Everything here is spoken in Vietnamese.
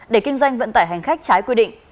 để kinh doanh vận tải hành khách trái quy định